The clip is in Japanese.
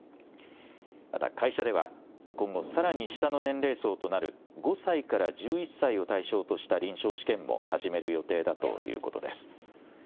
また会社では今後、さらに下の年齢層となる５歳から１１歳を対象とした臨床試験も始める予定だということです。